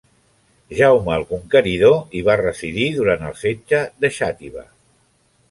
Jaume el Conqueridor hi va residir durant el setge de Xàtiva.